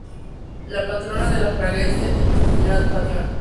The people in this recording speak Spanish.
La patrona de la freguesia es Nuestra Señora de Fátima.